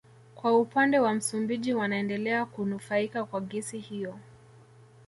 Kwa upande wa Msumbiji wanaendelea kunufaika kwa gesi hiyo